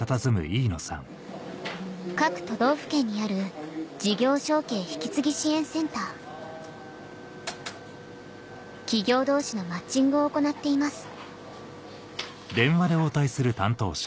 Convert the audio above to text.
各都道府県にある事業承継・引継ぎ支援センター企業同士のマッチングを行っています